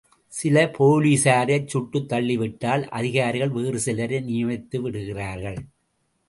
சில போலிஸாரைச் சுட்டுத் தள்ளிவிட்டால் அதிகாரிகள் வேறு சிலரை நியமித்து விடுகிறார்கள்.